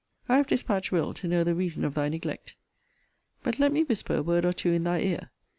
I have dispatched Will. to know the reason of thy neglect. But let me whisper a word or two in thy ear.